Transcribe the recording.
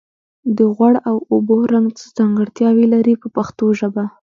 د غوړ او اوبو رنګ څه ځانګړتیاوې لري په پښتو ژبه.